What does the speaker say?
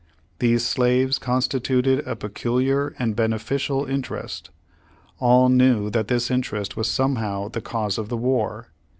These slaves constituted a peculiar and beneficial inter est. All knew that this interest was somehow the cause of the war.